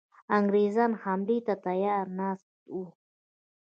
انګرېزان حملې ته تیار ناست وه.